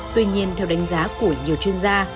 tuy nhiên theo đánh giá của nhiều chuyên gia